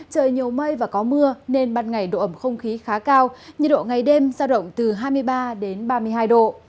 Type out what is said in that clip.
trời nhiều mây và có mưa nên ban ngày độ ẩm không khí khá cao nhiệt độ ngày đêm ra động từ hai mươi ba đến ba mươi hai độ